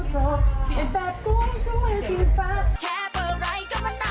สวัสดีค่ะคุณผู้ชมค่ะวันนี้ฮาปัสพามาถึงจากกันอยู่ที่ยา